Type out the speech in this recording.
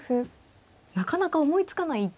なかなか思いつかない手。